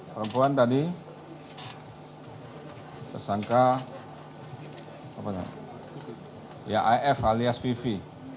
perempuan tadi tersangka apa namanya ya if alias vivi